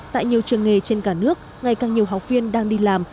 tại nhiều trường nghề trên cả nước ngày càng nhiều học viên đang đi làm